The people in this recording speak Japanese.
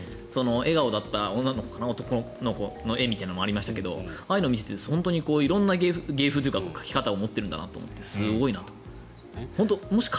笑顔だった女の子か男の子みたいな絵もありましたけど、ああいうのを見ていて色んな芸風というか書き方を持っているんだなと思ってすごいなと思いました。